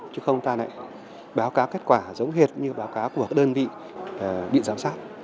chứ không ta lại báo cáo kết quả giống hệt như báo cáo của đơn vị bị giám sát